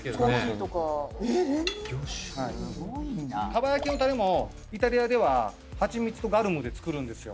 蒲焼きのタレもイタリアでははちみつとガルムで作るんですよ